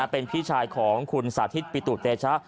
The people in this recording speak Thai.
เป็นพี่ชายของคุณสาธิตปิตุเตชะ